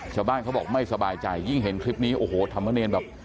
ชาวบ้านเขาบอกไม่สบายใจยิ่งเห็นคลิปนี้โอ้โหทำเมรนด์แบบ